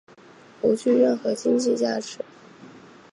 不具任何经济价值。